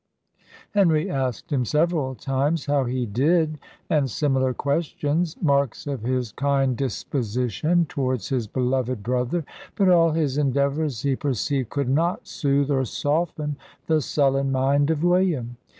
Henry asked him several times "how he did," and similar questions, marks of his kind disposition towards his beloved brother: but all his endeavours, he perceived, could not soothe or soften the sullen mind of William.